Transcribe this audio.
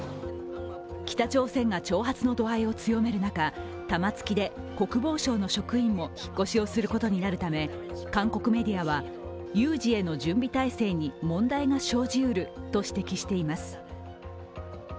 北朝鮮が挑発の度合いを強める中、玉突きで国防省の職員も引っ越しをすることになるため、韓国メディアは、有事への準備態勢に問題が生じうると指摘しています。